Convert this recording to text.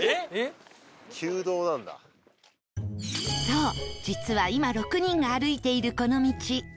そう実は今６人が歩いているこの道